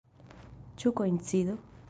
Ĉu koincido?